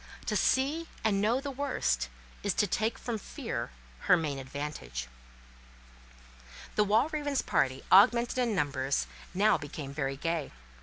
To see and know the worst is to take from Fear her main advantage. The Walravens' party, augmented in numbers, now became very gay.